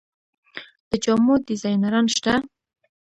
د جامو ډیزاینران شته؟